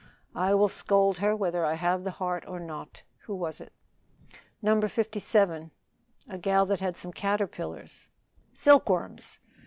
"I will scold her whether I have the heart or not. Who was it?" "No. 57, a gal that had some caterpillars." "Silkworms!"